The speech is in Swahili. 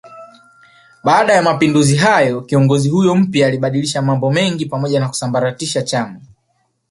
Baada ya mapinduzi hayo kiongozi huyo mpya alibadilisha mambo mengi pamoja na kusambaratisha chama